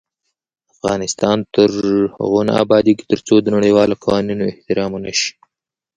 افغانستان تر هغو نه ابادیږي، ترڅو د نړیوالو قوانینو احترام ونشي.